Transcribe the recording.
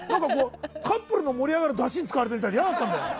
カップルの盛り上がるだしに使われてるみたいで嫌だった。